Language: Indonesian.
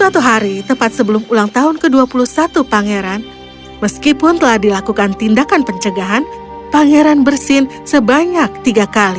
satu hari tepat sebelum ulang tahun ke dua puluh satu pangeran meskipun telah dilakukan tindakan pencegahan pangeran bersin sebanyak tiga kali